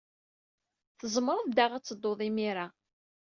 Tzemred daɣ ad teddud imir-a.